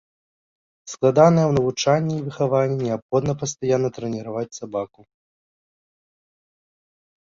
Складаныя ў навучанні і выхаванні, неабходна пастаянна трэніраваць сабаку.